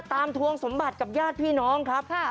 ทวงสมบัติกับญาติพี่น้องครับ